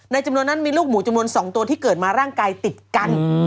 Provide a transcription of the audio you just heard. จำนวนนั้นมีลูกหมูจำนวน๒ตัวที่เกิดมาร่างกายติดกัน